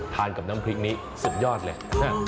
กับน้ำพริกนี้สุดยอดเลย